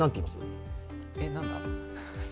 えっ、何だ？